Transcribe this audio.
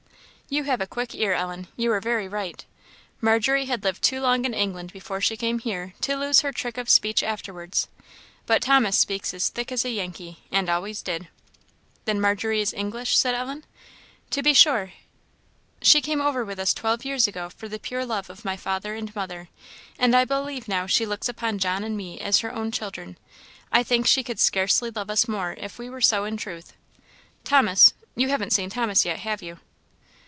"You have a quick ear, Ellen; you are very right. Margery had lived too long in England before she came here to lose her trick of speech afterwards. But Thomas speaks as thick as a Yankee, and always did." "Then Margery is English?" said Ellen. "To be sure. She came over with us twelve years ago for the pure love of my father and mother; and I believe now she looks upon John and me as her own children. I think she could scarcely love us more if we were so in truth. Thomas you haven't seen Thomas yet, have you?"